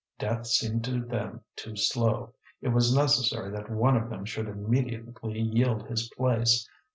Death seemed to them too slow; it was necessary that one of them should immediately yield his place.